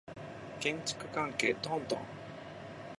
建築関係トントン